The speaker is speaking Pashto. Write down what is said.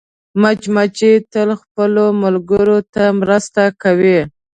مچمچۍ تل خپلو ملګرو ته مرسته کوي